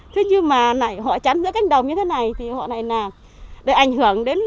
thế nhưng mà họ chắn giữa cánh đồng như thế này thì họ này là để ảnh hưởng đến